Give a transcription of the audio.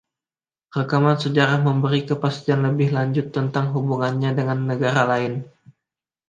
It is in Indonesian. Rekaman sejarah memberi kepastian lebih lanjut tentang hubungannya dengan negara lain.